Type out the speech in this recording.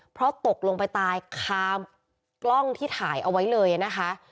เพราะตกลงไปตายคากล้องที่ถ่ายเอาไว้เลยนะคะ